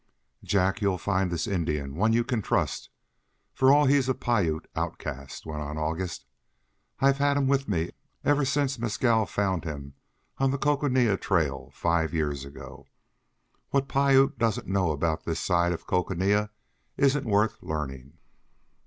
"Jack, you'll find this Indian one you can trust, for all he's a Piute outcast," went on August. "I've had him with me ever since Mescal found him on the Coconina Trail five years ago. What Piute doesn't know about this side of Coconina isn't worth learning."